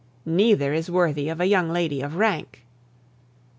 Neither is worthy of a young lady of rank."